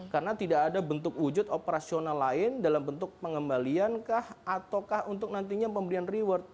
karena tidak ada bentuk wujud operasional lain dalam bentuk pengembalian kah ataukah untuk nantinya pemberian reward